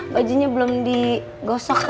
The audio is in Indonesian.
bajunya belum digosok